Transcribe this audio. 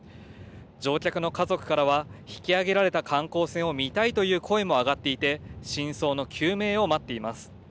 乗客の家族からは、引き揚げられた観光船を見たいという声も上がっていて、真相の究明を待っています。